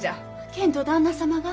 けんど旦那様が。